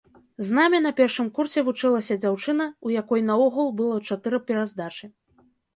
З намі на першым курсе вучылася дзяўчына, у якой наогул было чатыры пераздачы.